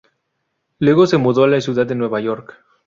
Luego se mudó a la ciudad de Nueva York.